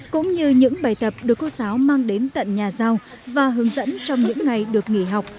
cũng như những bài tập được cô giáo mang đến tận nhà giao và hướng dẫn trong những ngày được nghỉ học